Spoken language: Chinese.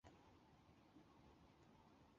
库兹和圣弗龙人口变化图示